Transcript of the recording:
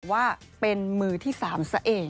ว่าเป็นมือที่๓ซะเอง